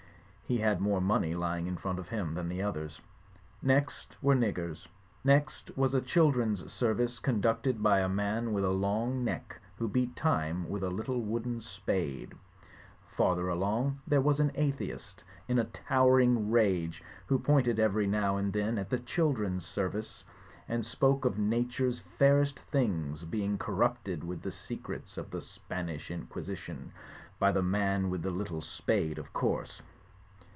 He had more money lying in front of him than the others. Next were niggers. Next was a children's service conducted by a man with a long neck who beat time with a little wooden spade. Farther along there was an atheist, in a towering rage, who pointed every now and then at the children's service and spoke of Nature's fairest things being corrupted with the secrets of the Spanish Inquisition— by the man with the little spade, of course.